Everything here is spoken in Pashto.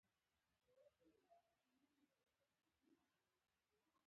ښوروا له وریژو، ډوډۍ، او چپاتي سره خوندوره ده.